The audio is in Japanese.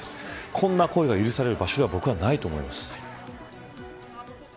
こんな行為が許される場所ではないと思います。